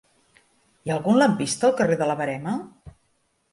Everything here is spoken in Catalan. Hi ha algun lampista al carrer de la Verema?